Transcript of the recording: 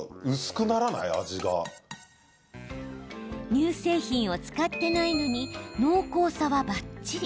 乳製品を使ってないのに濃厚さは、ばっちり。